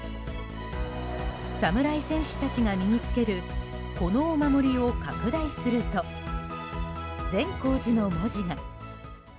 侍戦士たちが身に着けるこのお守りを拡大すると善光寺の文字が。